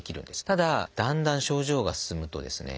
ただだんだん症状が進むとですね